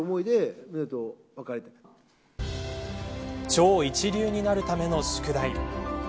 超一流になるための宿題。